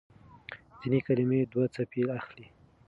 ځينې کلمې دوه څپې اخلي.